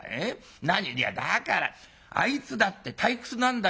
何いやだからあいつだって退屈なんだよ。